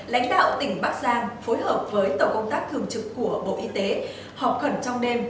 lãnh đạo tỉnh bắc giang phối hợp với tổ công tác thường trực của bộ y tế họp khẩn trong đêm